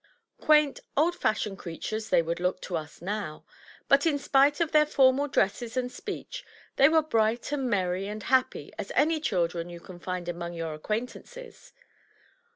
Quaint, old fashioned crea tures they would look to us now; but, in spite of their formal dresses and speech, they were bright and merry and happy as any children you can find among your acquaintances.